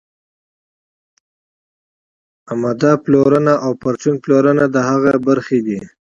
عمده پلورنه او پرچون پلورنه د هغې برخې دي